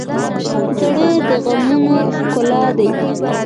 زړه د غمونو ښکار دی.